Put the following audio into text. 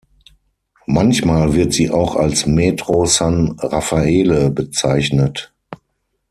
Manchmal wird sie auch als "Metro San Raffaele" bezeichnet.